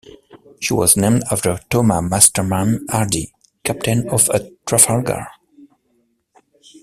She was named after Thomas Masterman Hardy, Captain of at Trafalgar.